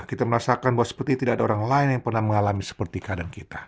kita merasakan bahwa seperti tidak ada orang lain yang pernah mengalami seperti keadaan kita